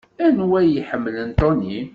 Anwa ay iḥemmlen Tony?